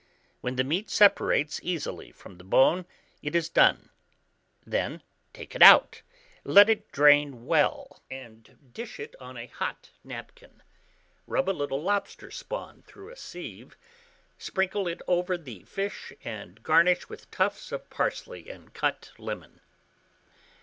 When the meat separates easily from the bone, it is done; then take it out, let it drain well, and dish it on a hot napkin. Rub a little lobster spawn through a sieve, sprinkle it over the fish, and garnish with tufts of parsley and cut lemon.